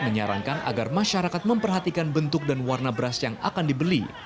menyarankan agar masyarakat memperhatikan bentuk dan warna beras yang akan dibeli